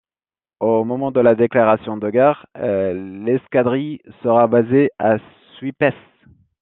Au moment de la déclaration de guerre, l'escadrille sera basée à Suippes.